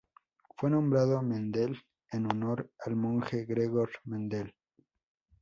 Fue nombrado Mendel en honor al monje Gregor Mendel.